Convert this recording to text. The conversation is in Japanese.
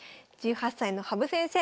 １８歳の羽生先生